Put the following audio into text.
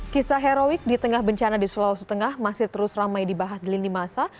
kisah heroik di tengah bencana di sulawesi tengah masih terus ramai dibahas di lini masa